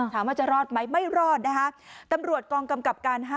ถามว่าจะรอดไหมไม่รอดนะคะตำรวจกองกำกับการ๕